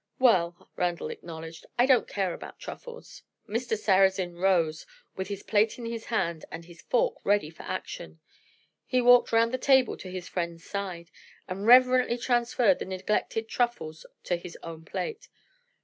"Well," Randal acknowledged, "I don't care about truffles." Mr. Sarrazin rose, with his plate in his hand and his fork ready for action. He walked round the table to his friend's side, and reverently transferred the neglected truffles to his own plate.